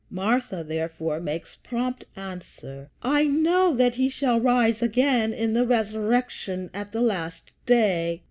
Martha therefore makes prompt answer, "I know that he shall rise again in the resurrection at the last day."